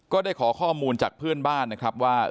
ก็ได้ขอข้อมูลจากเพื่อนบ้านนะครับว่า